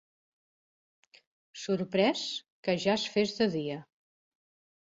Sorprès que ja es fes de dia.